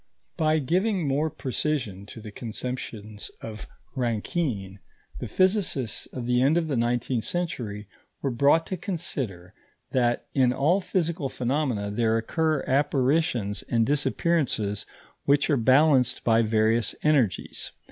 By giving more precision to the conceptions of Rankine, the physicists of the end of the nineteenth century were brought to consider that in all physical phenomena there occur apparitions and disappearances which are balanced by various energies.